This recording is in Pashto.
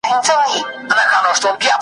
د مړونو تر مابین سلا هنر وي .